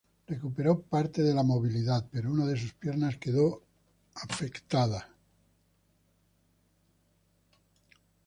Recuperó parte de la movilidad, pero una de sus piernas quedó afectada.